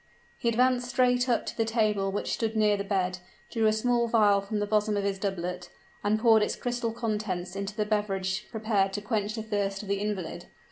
He advanced straight up to the table which stood near the bed, drew a small vial from the bosom of his doublet and poured its crystal contents into the beverage prepared to quench the thirst of the invalid.